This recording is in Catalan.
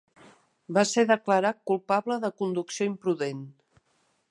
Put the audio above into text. Va ser declarat culpable de conducció imprudent.